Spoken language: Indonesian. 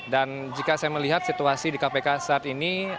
dan jika saya melihat situasi di kpk saat ini